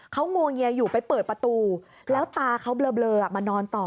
เขางวงเงียอยู่ไปเปิดประตูแล้วตาเขาเบลอมานอนต่อ